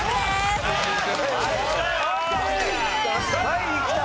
はいきた！